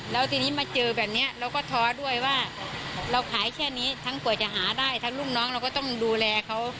แล้วทีนี้มาเจอแบบนี้เราก็ท้อด้วยว่าเราขายแค่นี้ทั้งเผื่อจะหาได้ทั้งลูกน้องเราก็ต้องดูแลเขา